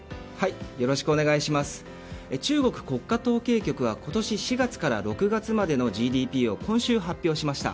中国国家統計局は今年４月から６月までのＧＤＰを今週発表しました。